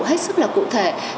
hết sức là cụ thể